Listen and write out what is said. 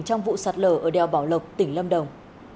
trong vụ sạt lở ở đèo bảo lộc tỉnh lâm đồng